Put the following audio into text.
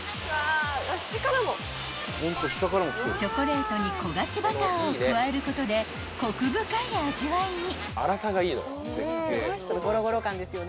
［チョコレートに焦がしバターを加えることでコク深い味わいに］